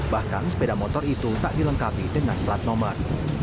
bahkan sepeda motor itu tak dilengkapi dengan plat nomor